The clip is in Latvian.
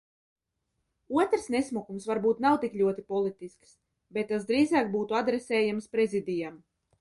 Otrs nesmukums varbūt nav tik ļoti politisks, bet tas drīzāk būtu adresējams Prezidijam.